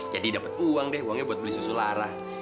jadi dapet uang deh uangnya buat beli susu lara